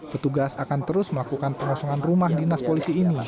petugas akan terus melakukan pengosongan rumah dinas polisi ini